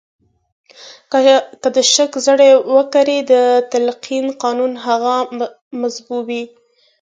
که د شک زړي وکرئ د تلقین قانون هغه جذبوي